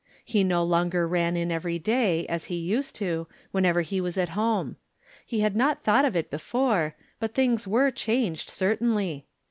He no longer ran in every day as he used to, whenever he was at home. He had not thought of it before, but things were changed, certainly.